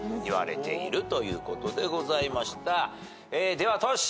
ではトシ。